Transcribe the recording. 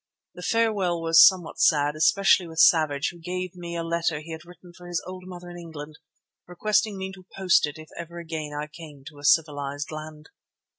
The farewell was somewhat sad, especially with Savage, who gave me a letter he had written for his old mother in England, requesting me to post it if ever again I came to a civilized land.